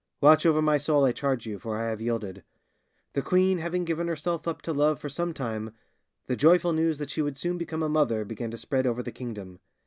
Watch over my soul, I charge you, for I have yielded!' The queen having given herself up to love for some time, the joyful news that she would soon become a mother began to spread over the kingdom.